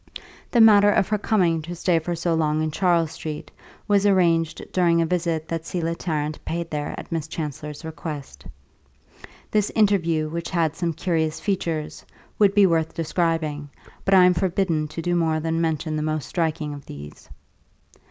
The matter of her coming to stay for so long in Charles Street was arranged during a visit that Selah Tarrant paid there at Miss Chancellor's request. This interview, which had some curious features, would be worth describing but I am forbidden to do more than mention the most striking of these.